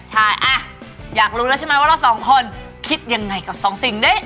ใช่อยากรู้แล้วใช่ไหมว่าเราสองคนคิดยังไงกับสองสิ่งนี้